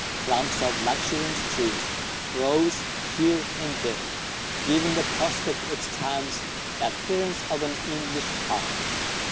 Clumps of luxuriant trees rose here and there, giving the prospect at times the appearance of an English park.